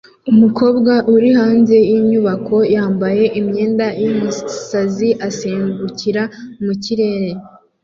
Umukobwa uri hanze yinyubako yambaye imyenda yumusazi asimbukira mu kirere